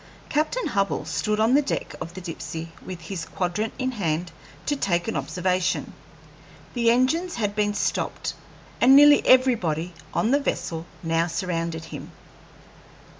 Captain Hubbell stood on the deck of the Dipsey with his quadrant in hand to take an observation. The engines had been stopped, and nearly everybody on the vessel now surrounded him.